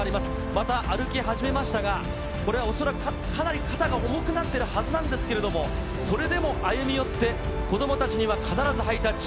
また歩き始めましたが、これは恐らくかなり肩が重くなってるはずなんですけれども、それでも歩み寄って、子どもたちには必ずハイタッチ。